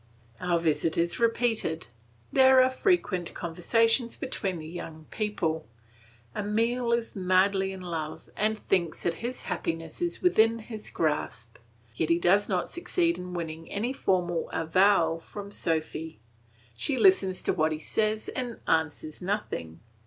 Our visit is repeated. There are frequent conversations between the young people. Emile is madly in love and thinks that his happiness is within his grasp. Yet he does not succeed in winning any formal avowal from Sophy; she listens to what he says and answers nothing.